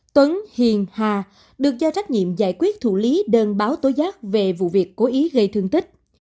tuấn hiền hà được do trách nhiệm giải quyết thủ lý đơn báo tối giác về vụ việc có ý gây thương tích